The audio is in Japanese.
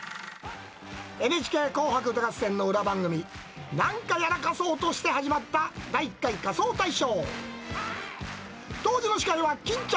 ＮＨＫ紅白歌合戦の裏番組、なんかやらかそうとして始まった、第１回仮装大賞。